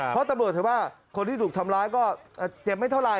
เพราะตำรวจถือว่าคนที่ถูกทำร้ายก็เจ็บไม่เท่าไหร